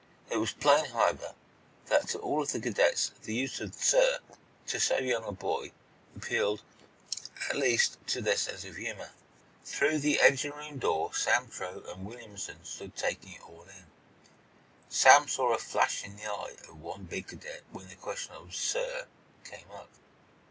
It was plain, however, that to all of the cadets the use of "sir" to so young a boy appealed, at least, to their sense of humor. Through the engine room door Sam Truax and Williamson stood taking it all in. Sam saw a flash in the eye of one big cadet when the question of "sir" came up.